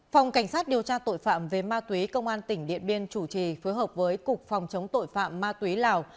phòng cảnh sát điều tra tội phạm về ma túy công an tỉnh điện biên chủ trì phối hợp với cục phòng chống tội phạm ma túy lào